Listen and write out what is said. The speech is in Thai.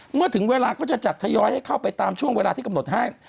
เมื่อถึงเวลาก็จะจัดทยอยให้เข้าไปตามช่วงเวลาที่กำหนดให้